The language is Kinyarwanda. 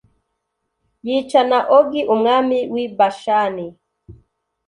yica na ogi umwami w i bashani